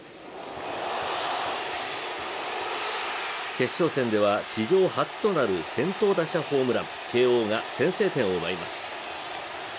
決勝戦では史上初となる先頭打者ホームラン、慶応が先制点を奪います。